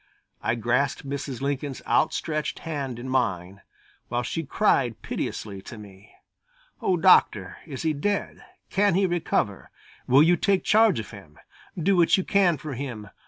I grasped Mrs. Lincoln's outstretched hand in mine, while she cried piteously to me, "Oh, Doctor! Is he dead? Can he recover? Will you take charge of him? Do what you can for him.